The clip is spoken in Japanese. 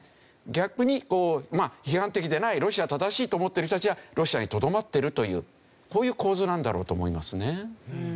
逆に批判的でないロシア正しいと思ってる人たちはロシアにとどまってるというこういう構図なんだろうと思いますね。